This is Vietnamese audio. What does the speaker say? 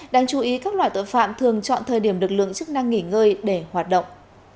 đáng chú ý các loại tội phạm thường chọn thời điểm lực lượng chức năng nghỉ ngơi để hoạt động